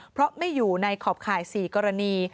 เพราะไม่อยู่ในขอบข่าย๔กรณี